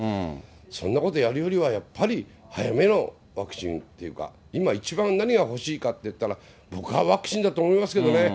そんなことやるよりは、やっぱり早めのワクチンっていうか、今一番、何が欲しいかっていったら、僕はワクチンだと思いますけどね。